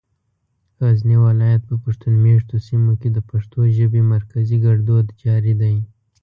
غزني ولايت په پښتون مېشتو سيمو کې د پښتو ژبې مرکزي ګړدود جاري دی.